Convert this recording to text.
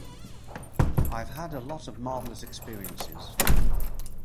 I've had a lot of marvellous experiences.